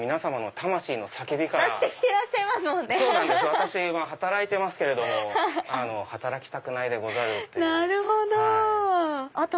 私働いてますけれども「働きたくないでござる」っていう。